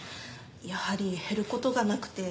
やはり減る事がなくて。